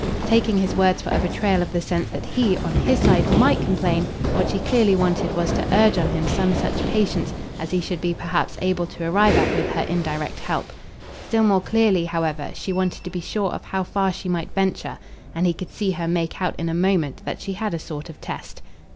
Taking his words for a betrayal of the sense that he, on his side, MIGHT complain, what she clearly wanted was to urge on him some such patience as he should be perhaps able to arrive at with her indirect help. Still more clearly, however, she wanted to be sure of how far she might venture; and he could see her make out in a moment that she had a sort of test.